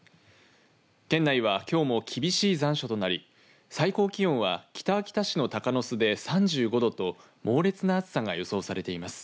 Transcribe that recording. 県内はきょうも厳しい残暑となり最高気温は北秋田市の鷹巣で３５度と猛烈な暑さが予想されています。